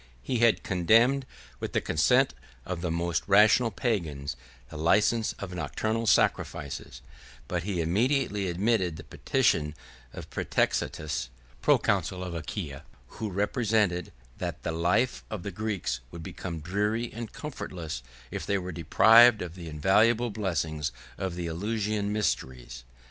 He had condemned, with the consent of the most rational Pagans, the license of nocturnal sacrifices; but he immediately admitted the petition of Prætextatus, proconsul of Achaia, who represented, that the life of the Greeks would become dreary and comfortless, if they were deprived of the invaluable blessing of the Eleusinian mysteries.